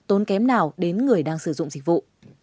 tốn kém nào đến người đang sử dụng dịch vụ